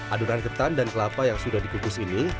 adonan ketan dan kelapa yang sudah dikukus ini